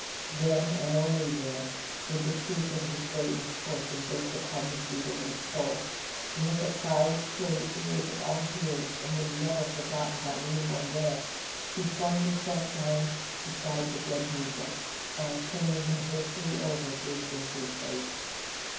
Then and then only, did the truth of his great misfortune burst upon his bewildered soul; and with a cry which tore the ears of all hearers and was never forgotten by any one there, he flung himself down beside the dead negro, and, turning him hastily over, gazed in his face.